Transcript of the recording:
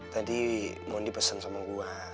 tadi mondi pesen sama gue